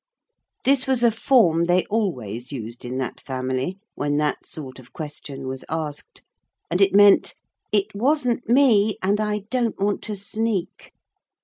This was a form they always used in that family when that sort of question was asked, and it meant, 'It wasn't me, and I don't want to sneak.'